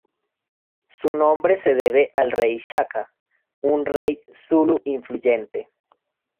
Su nombre se debe al Rey Shaka, un rey zulú influyente.